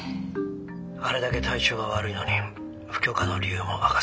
あれだけ体調が悪いのに不許可の理由も明かさない。